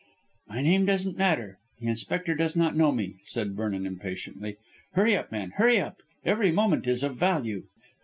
"My name doesn't matter; the Inspector does not know me," said Vernon impatiently. "Hurry up, man! hurry up! Every moment is of value."